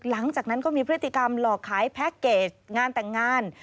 หลังจากนั้นก็มีพฤติกรรมหลอกขายแพ็คเกจงานแต่งงาน